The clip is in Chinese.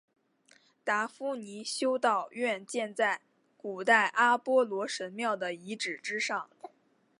达夫尼修道院建在古代阿波罗神庙的遗址之上。